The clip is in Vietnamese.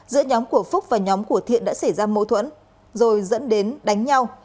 giữa nhóm của phúc và nhóm của thiện đã xảy ra mâu thuẫn rồi dẫn đến đánh nhau